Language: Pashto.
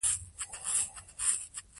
هغې د خپلو مینهوالو غوښتنې ومنلې.